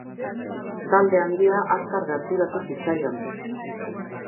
Talde handia azkar gerturatu zitzaion.